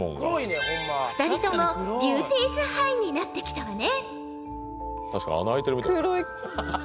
［２人ともビューティーズハイになってきたわね］